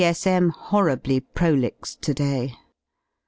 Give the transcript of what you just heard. C.S.M. horribly prolix to day.